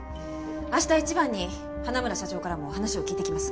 明日一番に花村社長からも話を聞いてきます。